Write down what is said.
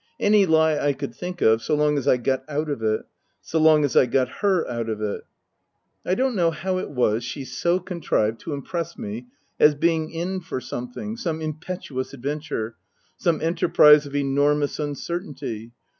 Any lie I could think of, so long as I got out of it. So long as I got her out of it. I don't know how it was she so contrived to impress me as being in for something, some impetuous adventure, some enterprise of enormous uncertainty.